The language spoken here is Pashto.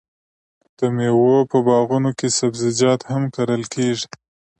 د میوو په باغونو کې سبزیجات هم کرل کیږي.